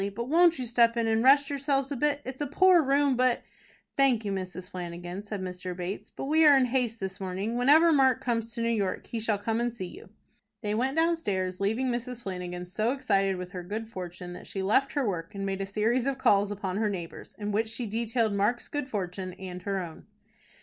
But won't you step in, and rest yourselves a bit? It's a poor room, but " "Thank you, Mrs. Flanagan," said Mr. Bates, "but we are in haste this morning. Whenever Mark comes to New York he shall come and see you." They went downstairs, leaving Mrs. Flanagan so excited with her good fortune, that she left her work, and made a series of calls upon her neighbors, in which she detailed Mark's good fortune and her own.